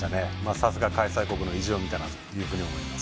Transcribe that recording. さすが、開催国の意地を見たなと思います。